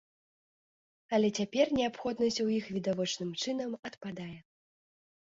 Але цяпер неабходнасць у іх відавочным чынам адпадае.